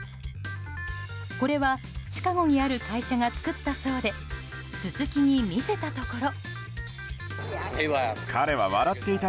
これは、シカゴにある会社が作ったそうで鈴木に見せたところ。